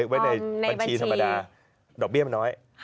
ไว้ในบัญชีธรรมดาดอกเบี้ยมันน้อย